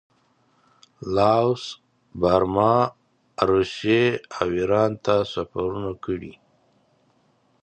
لاوس، برما، روسیې او ایران ته سفرونه کړي دي.